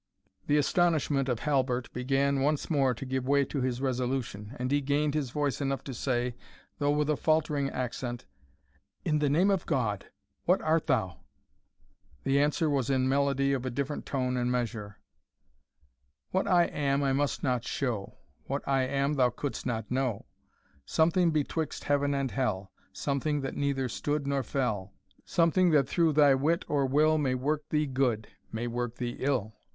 The astonishment of Halbert began once more to give way to his resolution, and he gained voice enough to say, though with a faltering accent, "In the name of God, what art thou?" The answer was in melody of a different tone and measure: "What I am I must not show What I am thou couldst not know Something betwixt heaven and hell Something that neither stood nor fell Something that through thy wit or will May work thee good may work thee ill.